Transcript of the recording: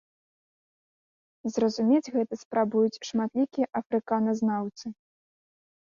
Зразумець гэта спрабуюць шматлікія афрыканазнаўцы.